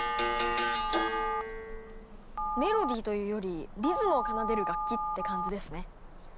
メロディーというよりリズムを奏でる楽器って感じですね。